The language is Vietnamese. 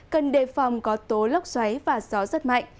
cần đề phòng có tố lốc xoáy và gió rất mạnh